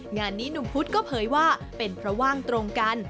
งานนี้หนุ่มพุธก็เผยว่าเป็นเพราะว่างตรงกัน